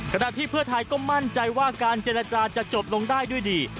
ขณะที่เพื่อไทยก็มั่นใจว่าการเจรจาจะจบลงได้ด้วยดี